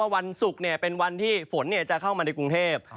วันศุกร์เป็นวันที่ฝนจะเข้ามาในกรุงเทพ